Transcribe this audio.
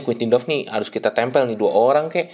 quintin doff nih harus kita tempel nih dua orang